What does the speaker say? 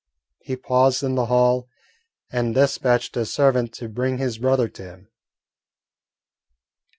He paused in the hall and despatched a servant to bring his brother to him.